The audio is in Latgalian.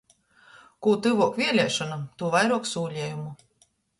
Kū tyvuok vieliešonom, tū vairuok sūlejumu.